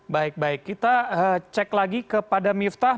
baik baik kita cek lagi kepada miftah